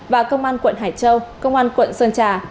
và công an quận hải châu công an quận sơn trà